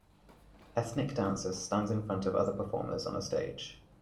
Ethnic dancer stands in front of other performers on a stage.